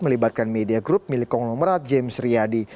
melibatkan media grup milik konglomerat james riyadi